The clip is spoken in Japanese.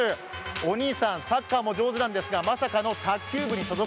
お兄さん、サッカーも上手なんですがまさかの卓球部に所属。